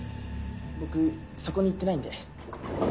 僕そこに行ってないんで。